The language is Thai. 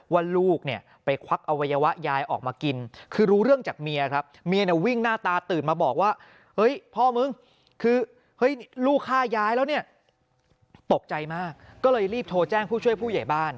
ว่าลูกเนี่ยไปควักเอาวัยวะย้ายออกมากินคือรู้เรื่องจากเมียครับ